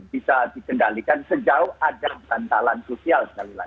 bisa dikendalikan sejauh ada bantalan sosial sekali lagi